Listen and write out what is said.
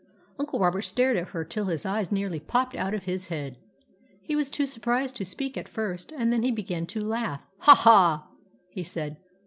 " Uncle Robert stared at her till his eyes nearly popped out of his head. He was too surprised to speak at first, and then he began to laugh. " Ha, ha !" he said.